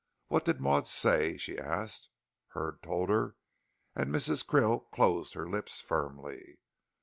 "What did Maud say?" she asked. Hurd told her, and Mrs. Krill closed her lips firmly.